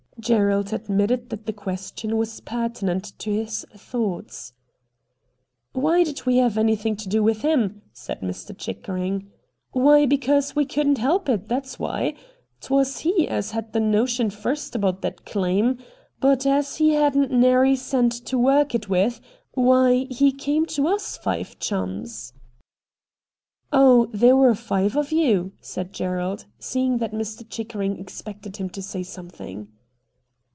Gerald admitted that the question was pertinent to his thoughts. ' Why did we have anything to do with him?' said Mr. Chickering. 'Why, because we couldn't help it, that's why. Twas he as had the notion first about that claim ; but as he hadn't nary cent to work it with, why he came to us five chums J VOL. I. r 66 RED DIAMONDS ' Oh, there were five of you,' said Gerald, seeing that Mr. Chickering expected him to say something.